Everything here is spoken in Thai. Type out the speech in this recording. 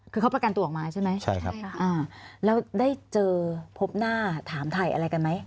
คือเขาประกันตัวออกมาใช่ไหมใช่ครับแล้วได้เจอพบหน้าถามถ่ายอะไรกันไหม